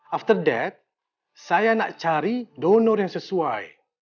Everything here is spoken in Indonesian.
after that saya nak cari donor yang sesuai